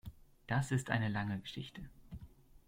Das ist eine lange Geschichte.